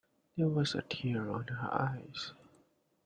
There was a tear on her eyes.